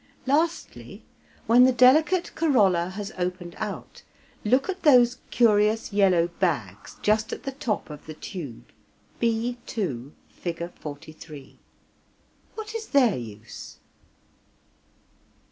Lastly, when the delicate corolla has opened out, look at those curious yellow bags just at the top of the tube (b,2, Fig. 43). What is their use?